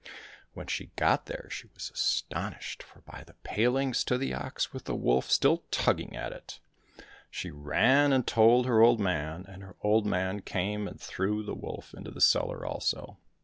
When she got there she was astonished, for by the palings stood the ox with the wolf still tugging at it. She ran and told her old man, and her old man came and threw the wolf into the cellar also.